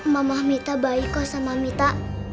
mama mita baik kok sama mita